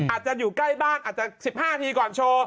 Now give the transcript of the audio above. อาจจะอยู่ใกล้บ้าน๑๕ทีก่อนโชว์